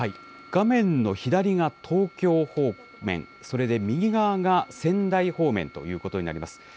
画面の左が東京方面、それで、右側が仙台方面ということになります。